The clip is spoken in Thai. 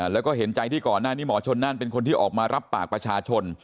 แล้วก็เห็นใจที่ก่อนหน้านี้หมอชนนั่นเป็นคนที่ออกมารับปากประชาชน